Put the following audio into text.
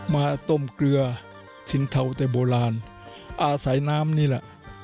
มาต้มเกลือสินเทาแต่โบราณอาศัยน้ำนี่แหละ